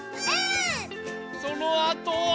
そのあとは。